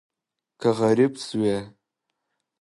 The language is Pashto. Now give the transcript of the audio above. که غریب شوې